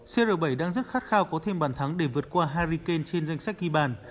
cr bảy đang rất khát khao có thêm bản thắng để vượt qua harry kane trên danh sách ghi bàn